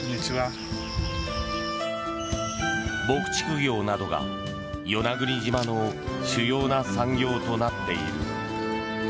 牧畜業などが与那国島の主要な産業となっている。